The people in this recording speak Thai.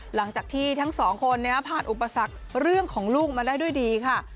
หลังจากที่ทั้งสองคนผ่านอุปสรรคเรื่องของลูกมาได้ด้วยดีค่ะ